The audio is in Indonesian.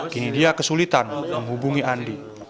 kini dia kesulitan menghubungi andi